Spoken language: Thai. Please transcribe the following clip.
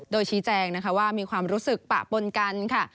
โดยชี้แจงนะคะว่ามีความรู้สึกปะปนกันค่ะ